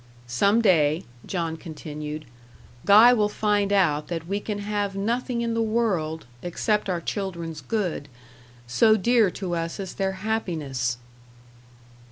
"Some day," John continued, "Guy will find out that we can have nothing in the world except our children's good so dear to us as their happiness."